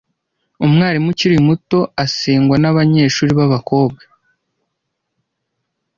Umwarimu ukiri muto asengwa nabanyeshuri babakobwa.